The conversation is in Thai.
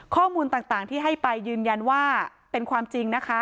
ข้อมูลต่างที่ให้ไปยืนยันว่าเป็นความจริงนะคะ